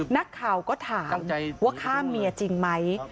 นักข่าวก็ถามว่าฆ่าเมียจริงไหม